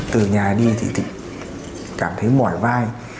từ nhà đi thì thịnh cảm thấy mỏi vai